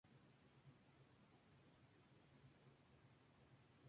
La Federación está en conflicto con una organización similar, la confederación de Galaxia Cinco.